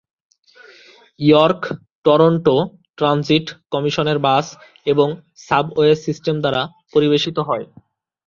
York Toronto transit কমিশনের bus এবং subway system দ্বারা পরিবেশিত হয়।